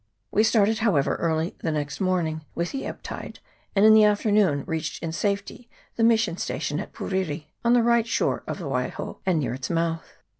We started, however, early the next morning, with the ebb tide, and in the after noon reached in safety the mission station at Puriri, on the right shore of the Waiho, and near its mouth.